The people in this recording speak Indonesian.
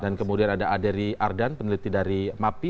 dan kemudian ada aderi ardan peneliti dari mapi